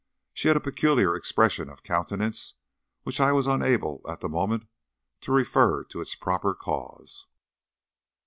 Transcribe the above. She had a peculiar expression of countenance, which I was unable at the moment to refer to its proper cause.